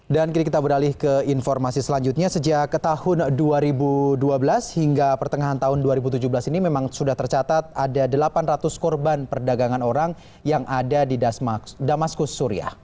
dan kini kita beralih ke informasi selanjutnya sejak tahun dua ribu dua belas hingga pertengahan tahun dua ribu tujuh belas ini memang sudah tercatat ada delapan ratus korban perdagangan orang yang ada di damascus suria